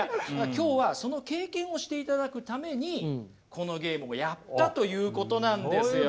今日はその経験をしていただくためにこのゲームをやったということなんですよ。